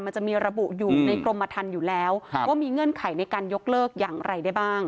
มันจะมีระบุอยู่ในกรมทันอยู่แล้วว่ามีเงื่อนไขในการยกเลิกอย่างไรได้บ้าง